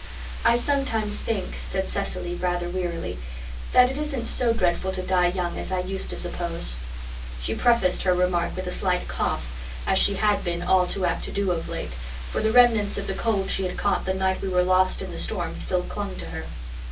"I sometimes think," said Cecily, rather wearily, "that it isn't so dreadful to die young as I used to suppose." She prefaced her remark with a slight cough, as she had been all too apt to do of late, for the remnants of the cold she had caught the night we were lost in the storm still clung to her.